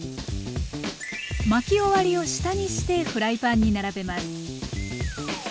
巻き終わりを下にしてフライパンに並べます。